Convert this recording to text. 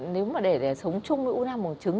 nếu mà để để sống chung với u nang bùng trứng